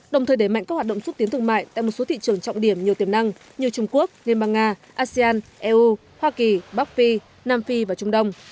đồng thời đẩy mạnh các hoạt động xúc tiến thương mại tại một số thị trường trọng điểm nhiều tiềm năng như trung quốc liên bang nga asean eu hoa kỳ bắc phi nam phi và trung đông